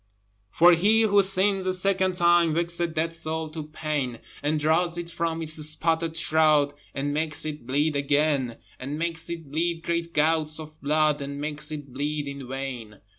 For he who sins a second time Wakes a dead soul to pain, And draws it from its spotted shroud, And makes it bleed again, And makes it bleed great gouts of blood And makes it bleed in vain!